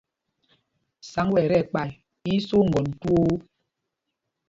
Sǎŋg wɛ̄ ɛ tí ɛkpay, í í sá oŋgɔn twoo.